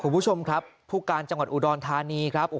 คุณผู้ชมครับผู้การจังหวัดอุดรธานีครับ